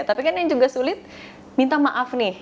tapi kan yang juga sulit minta maaf nih